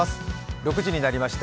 ６時になりました。